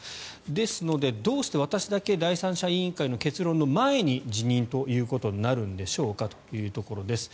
ですので、どうして私だけ第三者委員会の結論の前に辞任ということになるんでしょうかというところです。